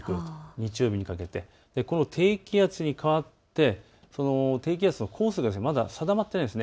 日曜日にかけて低気圧に変わって低気圧のコースがまだ定まっていないんです。